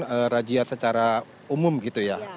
berlakukan razia secara umum gitu ya